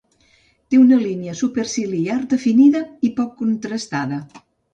Té una línia superciliar definida i poc contrastada.